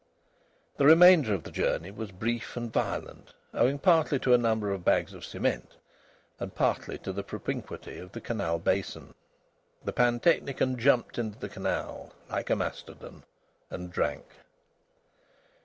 The remainder of the journey was brief and violent, owing partly to a number of bags of cement, and partly to the propinquity of the canal basin. The pantechnicon jumped into the canal like a mastodon, and drank.